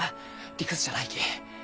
理屈じゃないき。